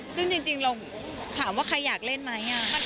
ซึ่งจริงเราถามว่าใครอยากเล่นไหม